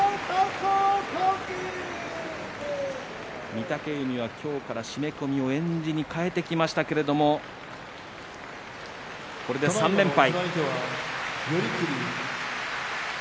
御嶽海は今日から締め込みをえんじに替えてきましたけれどこれで３連敗。